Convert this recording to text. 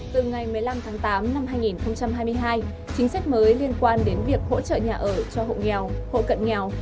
từ ngày một mươi năm tháng tám năm hai nghìn hai mươi hai chính sách mới liên quan đến việc hỗ trợ nhà ở cho hộ nghèo hộ cận nghèo